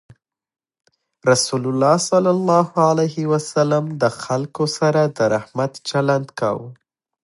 رسول الله صلى الله عليه وسلم د خلکو سره د رحمت چلند کاوه.